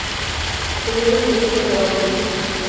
Tenía la intención de grabar un disco.